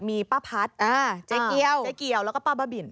มีป้าพัดเจ๊เกียวแล้วก็ป้าบ้าบิน